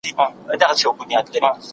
هغې خپل حساب تېره اونۍ تړلی و.